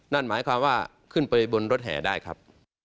นั่นหมายความว่าขึ้นไปบนรถแห่ได้ครับ